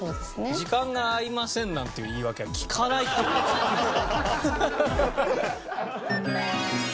「時間が合いません」なんていう言い訳は効かないって事ですよ。